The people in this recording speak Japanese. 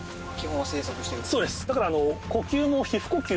そうですだから。